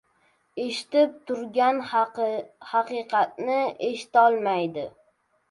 eshitilib turgan haqiqatni eshitolmaydi.